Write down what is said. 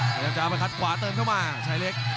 พยายามจะเอาไปคัดขวาเติมเข้ามาชายเล็ก